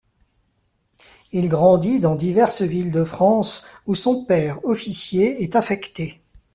Il grandit dans diverses villes de France, où son père, officier, est affecté.